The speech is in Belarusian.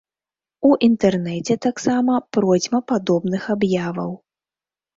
У інтэрнэце таксама процьма падобных аб'яваў.